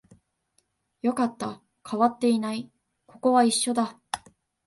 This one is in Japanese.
よかった、変わっていない、ここは一緒だ